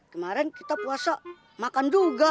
kemarin kita puasa makan juga